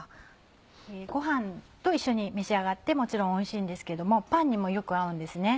ご飯と一緒に召し上がってもちろんおいしいんですけどもパンにもよく合うんですね。